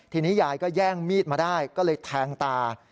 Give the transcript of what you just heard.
ทีนี้ยายก็แย่งมีดมาได้ก็เลยแทงตา